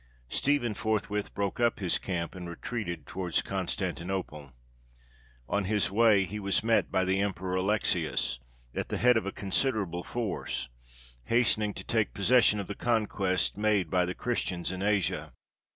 Stephen forthwith broke up his camp and retreated towards Constantinople. On his way he was met by the Emperor Alexius, at the head of a considerable force, hastening to take possession of the conquests made by the Christians in Asia.